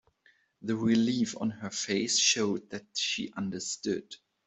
The relief on her face showed that she understood.